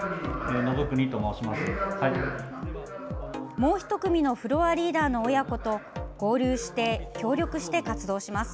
もう１組のフロアリーダーの親子と合流して協力して活動します。